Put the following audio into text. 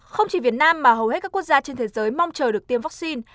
không chỉ việt nam mà hầu hết các quốc gia trên thế giới mong chờ được tiêm vaccine